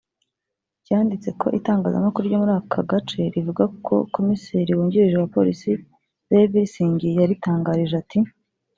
cyanditse ko itangazamakuru ryo muri aka gace rivuga ko komiseri wungirije wa Polisi Dalvir Singh yaritangarije ati